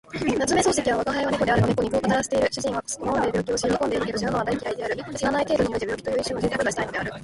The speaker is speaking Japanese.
夏目漱石は吾輩は猫であるの猫にこう語らせている。主人は好んで病気をし喜んでいるけど、死ぬのは大嫌いである。死なない程度において病気という一種の贅沢がしたいのである。